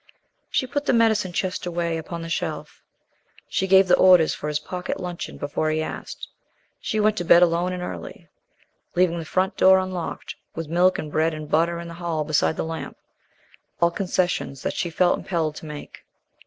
She put the medicine chest away upon the shelf; she gave the orders for his pocket luncheon before he asked; she went to bed alone and early, leaving the front door unlocked, with milk and bread and butter in the hall beside the lamp all concessions that she felt impelled to make.